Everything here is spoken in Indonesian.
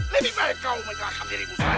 leb baik kau mengerahkan dirimu saja